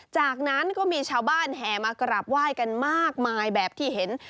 จากนั้นก็มีชาวบ้านแห่มากราบไหว้กันมากมายแบบที่เห็น